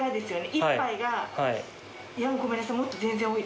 １杯がごめんなさい